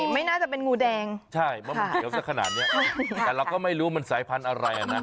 ไม่น่าจะเป็นงูแดงใช่เพราะมันเขียวสักขนาดเนี้ยแต่เราก็ไม่รู้มันสายพันธุ์อะไรนะ